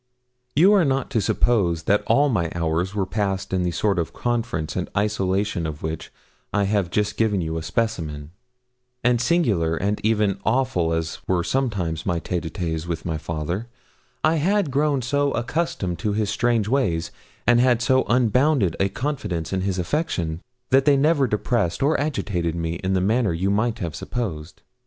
You are not to suppose that all my hours were passed in the sort of conference and isolation of which I have just given you a specimen; and singular and even awful as were sometimes my tête a têtes with my father, I had grown so accustomed to his strange ways, and had so unbounded a confidence in his affection, that they never depressed or agitated me in the manner you might have supposed.